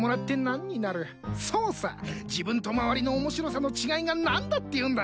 そうさ自分と周りの面白さの違いが何だっていうんだ。